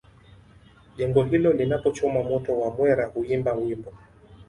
Jengo hilo linapochomwa moto wamwera huimba wimbo